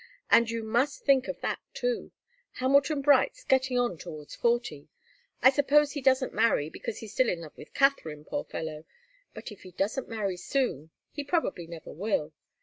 And you must think of that, too. Hamilton Bright's getting on towards forty. I suppose he doesn't marry because he's still in love with Katharine, poor fellow. But if he doesn't marry soon, he probably never will.